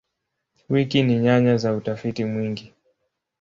Wiki ni nyanja za utafiti mwingi.